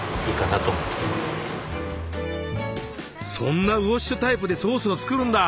そんなウォッシュタイプでソースを作るんだ！